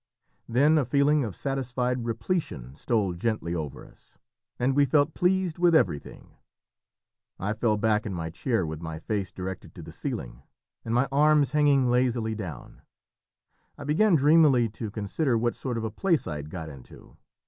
Then a feeling of satisfied repletion stole gently over us, and we felt pleased with everything. I fell back in my chair, with my face directed to the ceiling, and my arms hanging lazily down. I began dreamily to consider what sort of a place I had got into.